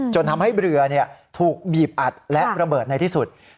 จนทำให้เรือถูกบีบอัดและระเบิดในที่สุด